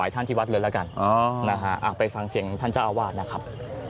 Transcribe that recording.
ท่านที่วัดเรือนละกันอ้อนะฮะอ่าไปฟังเสียงท่านเจ้าอาวาสนะครับ